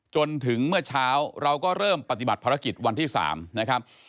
จนถึงเมื่อเช้าเราก็เริ่มปฏิบัติภารกิจวันที่๓นะครับ